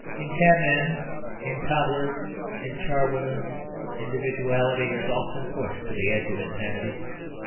In cabmen, in cobblers, in charwomen, individuality is often pushed to the edge of insanity.